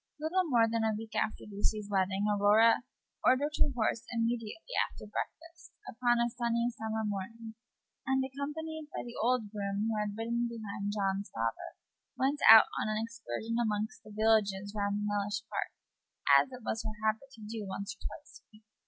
Little more than a week after Lucy's wedding Aurora ordered her horse immediately after breakfast, upon a sunny summer morning, and, accompanied by the old groom who had ridden behind John's father, went out on an excursion among the villages round Mellish Park, as it was her habit to do once or twice a week.